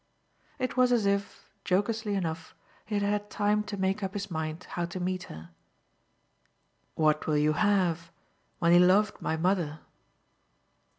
It was as if, jocosely enough, he had had time to make up his mind how to meet her. "What will you have when he loved my mother?"